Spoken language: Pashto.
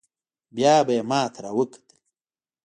بيا به يې ما ته راوکتل.